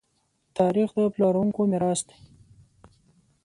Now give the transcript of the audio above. تاریخ د پلارونکو میراث دی.